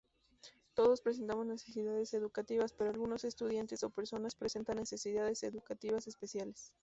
Todos presentamos necesidades educativas, pero algunos estudiantes o personas presentan necesidades educativas especiales.